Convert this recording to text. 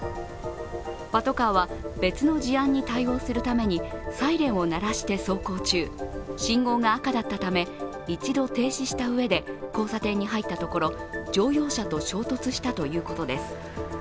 パトカーは別の事案に対応するためにサイレンを鳴らして走行中、信号が赤だったため一度停止したうえで交差点に入ったところ乗用車と衝突したということです。